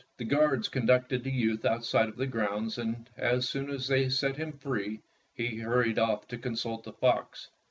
The guards conducted the youth outside of the groimds, and as soon as they set him free, he hurried off to consult the fox.